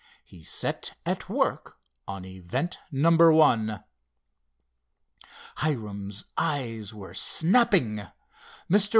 He set at work on event number one. Hiram's eyes were snapping. Mr.